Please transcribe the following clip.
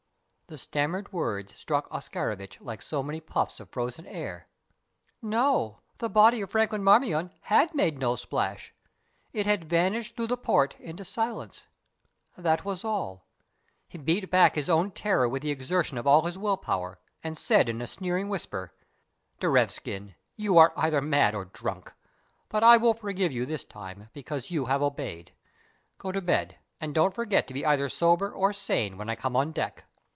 The stammered words struck Oscarovitch like so many puffs of frozen air. No, the body of Franklin Marmion had made no splash. It had vanished through the port into silence. That was all. He beat back his own terror with the exertion of all his will power, and said in a sneering whisper: "Derevskin, you are either mad or drunk; but I will forgive you this time because you have obeyed. Go to bed, and don't forget to be either sober or sane when I come on deck."